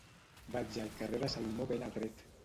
Vaig al carrer de Salomó ben Adret